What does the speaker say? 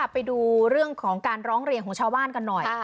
ไปดูเรื่องของการร้องเรียนของชาวบ้านกันหน่อย